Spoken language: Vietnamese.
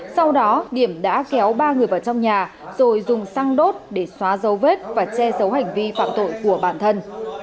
sau đó điểm đã kéo ba người vào trong nhà rồi dùng xăng đốt để xóa dấu vết và che giấu hành vi phạm tội của bản thân